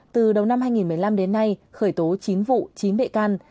từ đầu năm hai nghìn một mươi năm đến nay khởi tố chín vụ chín bệ can